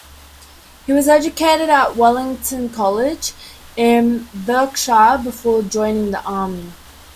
He was educated at Wellington College in Berkshire before joining the Army.